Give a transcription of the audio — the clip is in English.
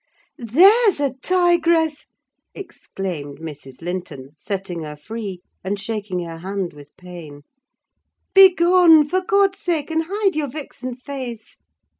"There's a tigress!" exclaimed Mrs. Linton, setting her free, and shaking her hand with pain. "Begone, for God's sake, and hide your vixen face!